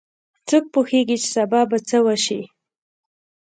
څوک پوهیږي چې سبا به څه وشي